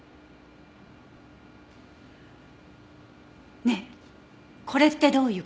ねえこれってどういう事？